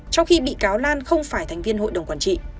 trong khi bị cáo lan không phải thành viên hội đồng quản trị